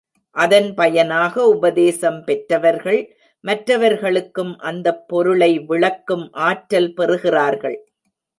அதன் பயனாக உபதேசம் பெற்றவர்கள் மற்றவர்களுக்கும் அந்தப் பொருளை விளக்கும் ஆற்றல் பெறுகிறார்கள்.